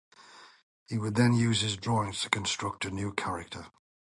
He would then use his drawings to construct a new character.